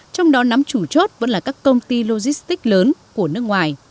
trong đó nắm chủ chốt vẫn là các công ty logistics lớn